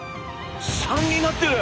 ３になってる！